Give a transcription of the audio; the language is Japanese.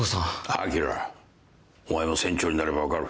明お前も船長になれば分かる。